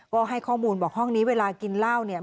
ก็ให้ข้อมูลบอกห้องนี้เวลากินเหล้าเนี่ย